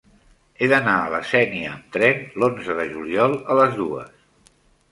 He d'anar a la Sénia amb tren l'onze de juliol a les dues.